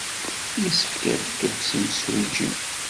Yessefk ad dduɣ s imsujji.